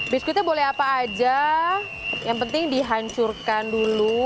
biskuitnya boleh apa aja yang penting dihancurkan dulu